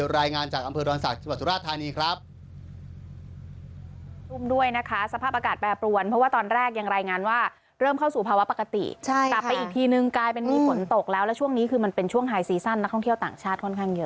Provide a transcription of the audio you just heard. รายงานจากอำเภอดอนศักดิ์จังหวัดสุราธานีครับ